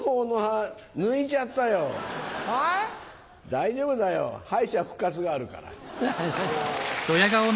大丈夫だよハイシャ復活があるから。